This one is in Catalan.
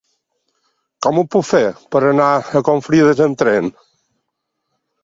Com ho puc fer per anar a Confrides amb tren?